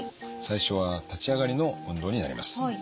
最初は立ち上がりの運動になります。